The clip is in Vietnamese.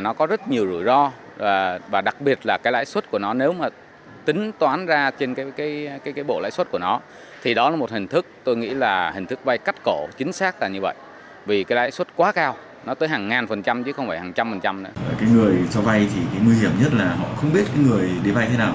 người cho vay thì nguy hiểm nhất là họ không biết người đi vay thế nào